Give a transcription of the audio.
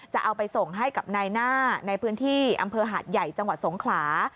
จะเอาไปส่งให้กับนายหน้าในพื้นที่อำเภอหาดใหญ่จังหวัดสงขลา